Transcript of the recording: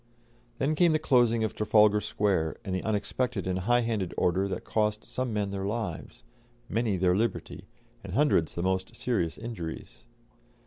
Then came the closing of Trafalgar Square, and the unexpected and high handed order that cost some men their lives, many their liberty, and hundreds the most serious injuries.